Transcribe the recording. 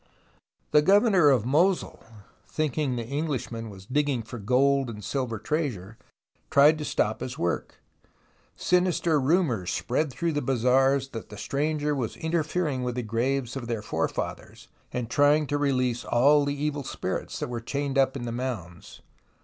The Governor of Mosul, thinking the Englishman was digging for gold and silver treasure, tried to stop his work. Sinister rumours spread through the bazaars that the stranger was interfering with the graves of their forefathers, and trying to release all the evil spirits that were chained up in the mounds.